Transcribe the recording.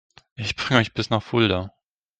Ich bringe euch bis nach Fulda